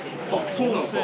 そうなんですか。